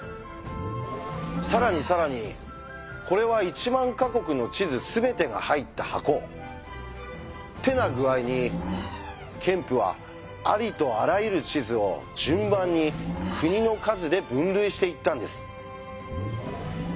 更に更にこれは１万か国の地図全てが入った箱。ってな具合にケンプはありとあらゆる地図を順番に国の数で分類していったんです。